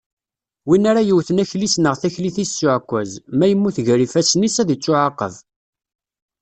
Win ara yewwten akli-s neɣ taklit-is s uɛekkaz, ma yemmut gar ifassen-is, ad ittuɛaqeb.